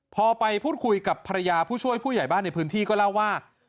พอไปพูดคุยกับภรรยาผู้ช่วยผู้ใหญ่บ้านในพื้นที่ก็เล่าว่า